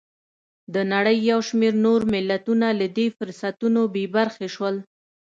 د نړۍ یو شمېر نور ملتونه له دې فرصتونو بې برخې شول.